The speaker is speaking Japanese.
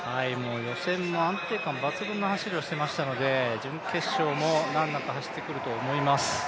予選も安定感抜群の走りをしていましたので準決勝も難なく走ってくると思います。